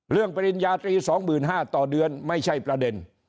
เรื่องปริญญาตรี๒๕๐๐๐บาทต่อเดือนไม่ใช่ประเด็น